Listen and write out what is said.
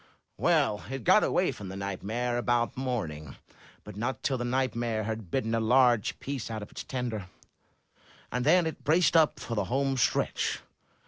"Well, it got away from the nightmare about morning, but not till the nightmare had bitten a large piece out of its tender, and then it braced up for the home stretch.